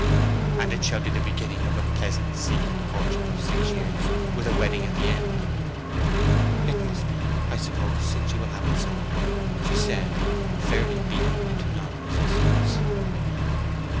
"And it shall be the beginning of a pleasant secret courtship of six years, with a wedding at the end?" "It must be, I suppose, since you will have it so!" she said, fairly beaten into non resistance.